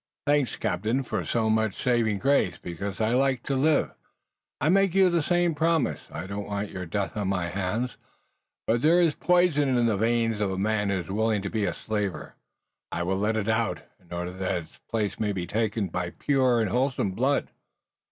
"Thanks, captain, for so much saving grace, because I like to live. I make you the same promise. I don't want your death on my hands, but there is poison in the veins of a man who is willing to be a slaver. I will let it out, in order that its place may be taken by pure and wholesome blood."